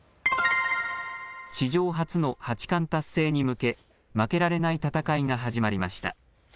史上初の八冠達成に向け負けられない戦いが始まりました。